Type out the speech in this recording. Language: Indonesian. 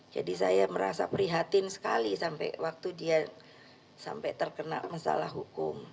jadi saya merasa prihatin sekali sampai waktu dia sampai terkena masalah hukum